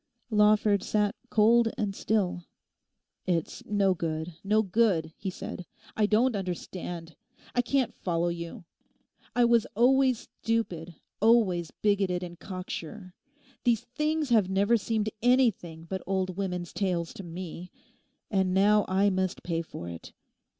Lawford sat cold and still. 'It's no good, no good,' he said, 'I don't understand; I can't follow you. I was always stupid, always bigoted and cocksure. These things have never seemed anything but old women's tales to me. And now I must pay for it.